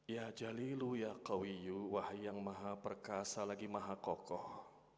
ya jalilu ya kawiyu wah yang maha perkasa lagi maha kokoh